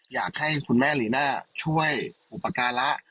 อยากให้คุณแม่ลีน่าช่วยอุปการะ